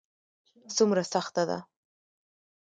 څومره سخته ده ؟